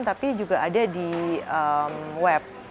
tapi juga ada di web